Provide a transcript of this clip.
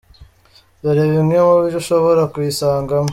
Dore bimwe mu byo ushobora kuyisangamo.